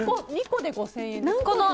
２個で５０００円ですか？